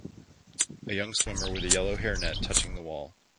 A young swimmer with a yellow hairnet touching the wall.